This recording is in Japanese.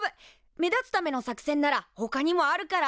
目立つための作戦ならほかにもあるから。